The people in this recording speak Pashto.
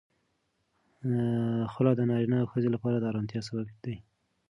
خلع د نارینه او ښځې لپاره د آرامتیا سبب دی.